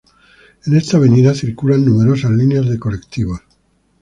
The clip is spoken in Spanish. En esta avenida circulan numerosas líneas de colectivos.